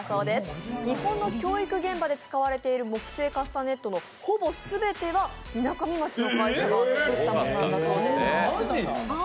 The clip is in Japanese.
日本の教育現場で使われている木製のカスタネットのほとんどがみなかみ町の会社が作ったものなんだそうです。